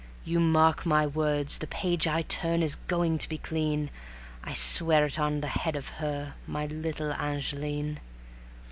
You mark my words, the page I turn is going to be clean, I swear it on the head of her, my little Angeline."